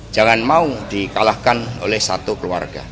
jangan mau dikalahkan oleh satu keluarga